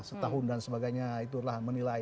setahun dan sebagainya itulah menilai